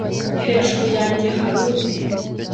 hejuru yanjye harundi